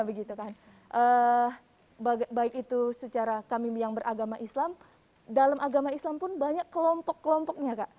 baik itu secara kamim yang beragama islam dalam agama islam pun banyak kelompok kelompoknya kak